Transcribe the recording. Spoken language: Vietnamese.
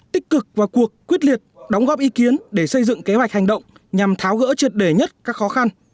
tích cực và cuộc quyết liệt đóng góp ý kiến để xây dựng kế hoạch hành động nhằm tháo gỡ trượt đề nhất các khó khăn